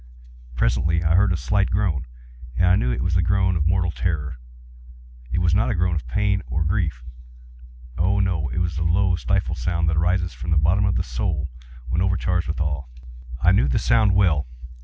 Presently I heard a slight groan, and I knew it was the groan of mortal terror. It was not a groan of pain or of grief—oh, no!—it was the low stifled sound that arises from the bottom of the soul when overcharged with awe. I knew the sound well.